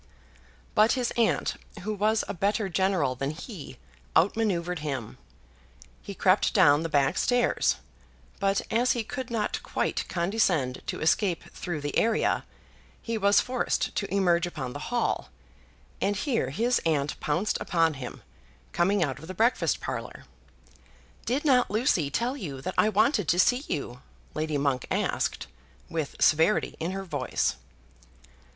But his aunt, who was a better general than he, out manoeuvred him. He crept down the back stairs; but as he could not quite condescend to escape through the area, he was forced to emerge upon the hall, and here his aunt pounced upon him, coming out of the breakfast parlour. "Did not Lucy tell you that I wanted to see you?" Lady Monk asked, with severity in her voice.